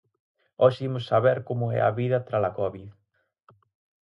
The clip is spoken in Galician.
Hoxe imos saber como é a vida tras a covid.